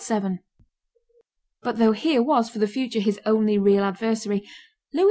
But though here was for the future his only real adversary, Louis XI.